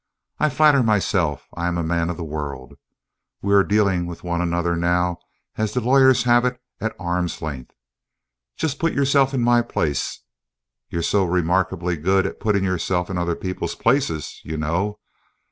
I flatter myself I am a man of the world. We're dealing with one another now, as the lawyers have it, at arm's length. Just put yourself in my place (you're so remarkably good at putting yourself in other people's places, you know).